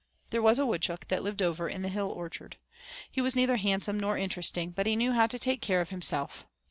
There was a woodchuck that lived over in the hill orchard. He was neither handsome nor interesting, but he knew how to take care of himself.